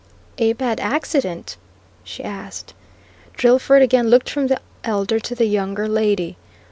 "A bad accident?" she asked. Drillford again looked from the elder to the younger lady.